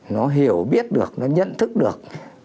nó hiểu biết được nó nhận thức được